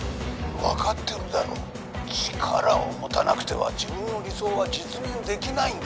分かってるだろ力を持たなくては自分の理想は実現できないんだ